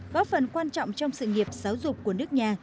góp phần quan trọng trong sự nghiệp giáo dục của nước nhà